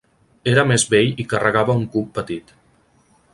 Era més vell i carregava un cub petit.